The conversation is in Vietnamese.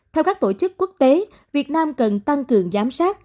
theo các tổ chức quốc tế việt nam cần tăng cường giám sát